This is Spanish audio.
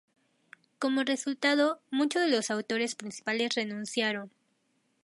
Como resultado, muchos de los actores principales renunciaron.